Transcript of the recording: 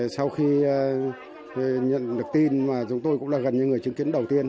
sau khi nhận được tin mà chúng tôi cũng là gần như người chứng kiến đầu tiên